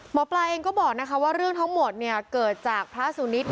หมอปลายังก็บอกว่าเรื่องทั้งหมดเกิดจากพระสูณิษฐ์นี่แหละ